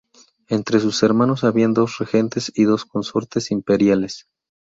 Entre sus hermanos había dos regentes y dos consortes imperiales.